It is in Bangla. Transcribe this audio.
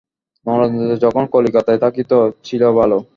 নরেন্দ্র যখন কলিকাতায় থাকিত, ছিল ভালো।